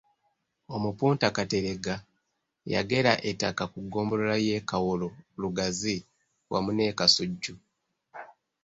Omupunta Kateregga yagera ettaka ku Ggombolola y'e Kawolo Lugazi wamu ne Kasujju.